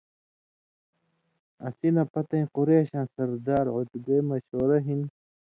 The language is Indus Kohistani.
اسی نہ پتَیں قُرېشاں سردار عُتبے مشورہ ہِن